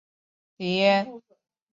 顺带一提